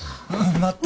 待って！